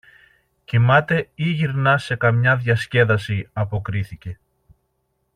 Κοιμάται ή γυρνά σε καμιά διασκέδαση, αποκρίθηκε.